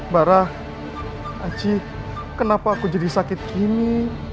barah acih kenapa aku jadi sakit begini